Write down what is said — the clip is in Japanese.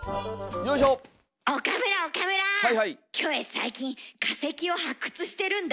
最近化石を発掘してるんだ。